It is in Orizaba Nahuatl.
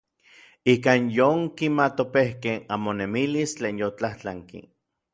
Ikan yonkimatopejkej anmonemilis tlen yotlajtlanki.